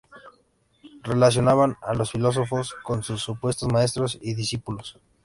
Relacionaban a los filósofos con sus supuestos maestros y discípulos.